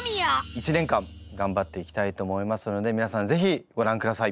１年間頑張っていきたいと思いますので皆さんぜひご覧ください。